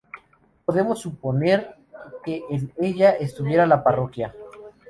Podemos suponer que en ella estuviera la parroquia.